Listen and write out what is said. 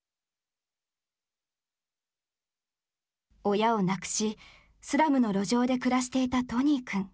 親を亡くしスラムの路上で暮らしていたトニー君。